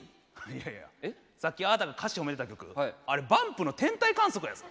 いやいやさっきあなたが歌詞褒めてた曲あれバンプの「天体観測」やぞ。